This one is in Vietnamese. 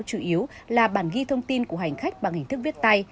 chủ yếu là bản ghi thông tin của hành khách bằng hình thức viết tay